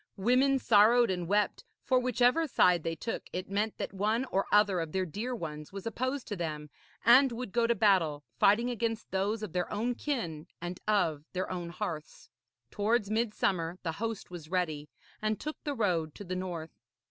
Women sorrowed and wept, for whichever side they took, it meant that one or other of their dear ones was opposed to them, and would go to battle, fighting against those of their own kin and of their own hearths. Towards midsummer the host was ready, and took the road to the north.